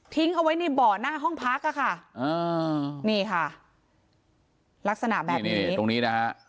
ทิ้งเอาไว้ในเบาะหน้าห้องพักนะคะนี่ค่ะลักษณะแบบนี้ตรงนี้นะคะ